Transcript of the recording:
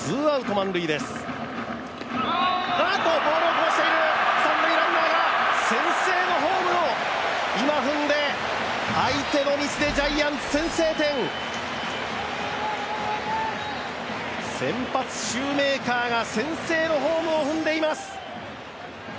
三塁ランナーが今、先制のホームを踏んで相手のミスでジャイアンツ、先制点先発シューメーカーが先制のホームを踏んでいます。